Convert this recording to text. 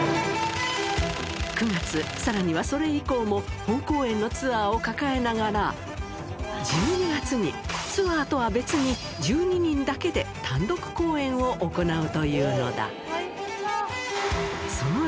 ９月、さらにはそれ以降も、本公演のツアーを抱えながら、１２月にツアーとは別に、１２人だけで単独公演を行うというのだ。